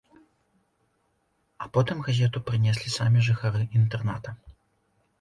А потым газету прынеслі самі жыхары інтэрната.